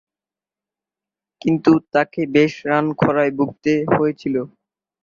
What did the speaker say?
কিন্তু তাকে বেশ রান খরায় ভুগতে হয়েছিল।